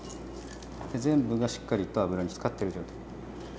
全部がしっかりと油につかっている状態。